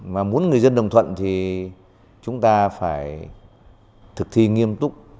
mà muốn người dân đồng thuận thì chúng ta phải thực thi nghiêm túc